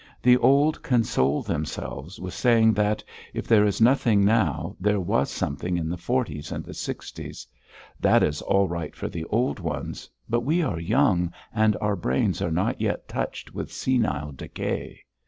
The old console themselves with saying that, if there is nothing now, there was something in the forties and the sixties; that is all right for the old ones, but we are young and our brains are not yet touched with senile decay.